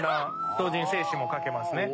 同時に精子もかけますね。